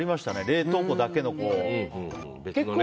冷凍庫だけのやつ。